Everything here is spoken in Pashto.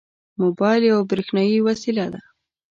موبایل یوه برېښنایي وسیله ده.